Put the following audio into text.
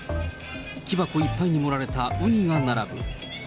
木箱いっぱいに盛られたウニが並ぶ。